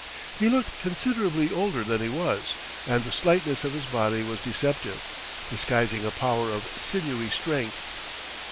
He looked considerably older than he was and the slightness of his body was deceptive, disguising a power of sinewy strength.